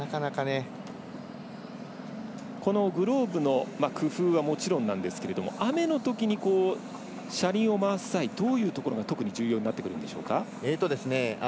グローブの工夫はもちろんなんですけど雨のときに車輪を回す際どういうところが特に重要になってきますか？